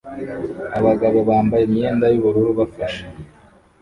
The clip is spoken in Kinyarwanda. Abagabo bambaye imyenda yubururu bafashe